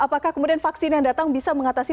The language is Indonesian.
apakah kemudian vaksin yang datang bisa mengatasi